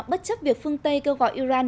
bất chấp việc phương tây kêu gọi iran